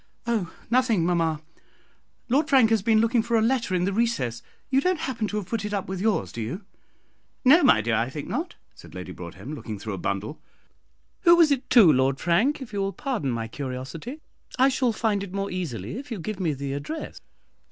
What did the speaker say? "Oh, nothing, mamma. Lord Frank has been looking for a letter in the recess. You don't happen to have put it up with yours, do you?" "No, my dear, I think not," said Lady Broadhem, looking through a bundle. "Who was it to, Lord Frank, if you will pardon my curiosity? I shall find it more easily if you will give me the address."